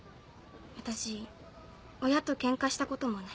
私親とケンカしたこともない。